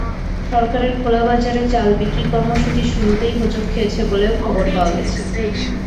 সরকারের খোলাবাজারে চাল বিক্রি কর্মসূচি শুরুতেই হোঁচট খেয়েছে বলে খবর পাওয়া গেছে।